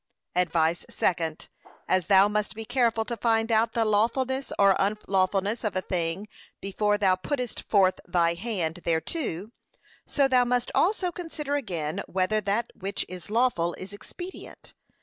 Advice Second, As thou must be careful to find out the lawfulness or unlawfulness of a thing before thou puttest forth thy hand thereto, so thou must also consider again whether that which is lawful is expedient.